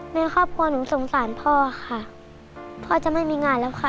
ในครอบครัวหนูสงสารพ่อค่ะพ่อจะไม่มีงานแล้วค่ะ